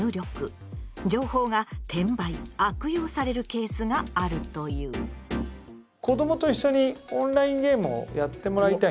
情報が転売・悪用されるケースがあるという。と思いますね。